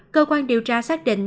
cơ quan điều tra xác định